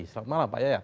selamat malam pak yayat